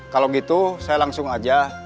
kalau gitu saya langsung aja